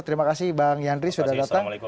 terima kasih bang yandri sudah datang